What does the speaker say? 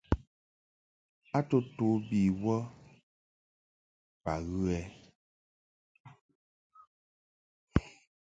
A to to bi wə ba ghə ɛ?